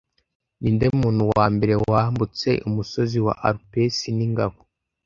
Ninde muntu wa mbere wambutse umusozi wa Alpes n'ingabo